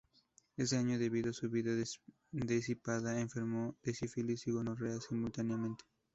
Ese año, debido a su vida disipada, enfermó de sífilis y gonorrea simultáneamente.